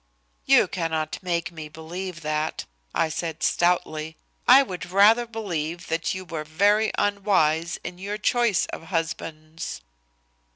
"You cannot make me believe that," I said stoutly. "I would rather believe that you were very unwise in your choice of husbands."